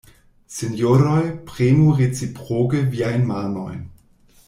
Sinjoroj, premu reciproke viajn manojn.